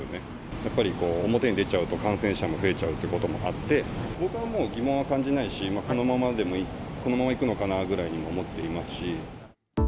やっぱり表に出ちゃうと感染者も増えちゃうということもあって、僕はもう、疑問は感じないし、このままでもいい、このままいくのかなぐらいに思っていますし。